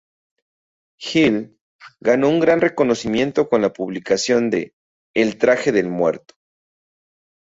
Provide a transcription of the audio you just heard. Hill ganó un gran reconocimiento con la publicación de "El Traje del Muerto".